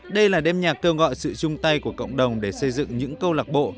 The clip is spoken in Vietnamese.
đây là đêm nhạc kêu gọi sự chung tay của cộng đồng để xây dựng những câu lạc bộ